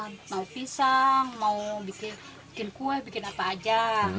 mau pisang mau bikin kue bikin apa aja